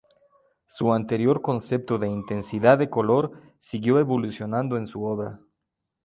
Su anterior concepto de intensidad de color siguió evolucionando en su obra.